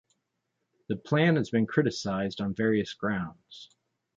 The Plan has been criticised on various grounds.